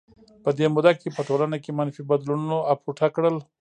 په دې موده کې په ټولنه کې منفي بدلونونو اپوټه کړل.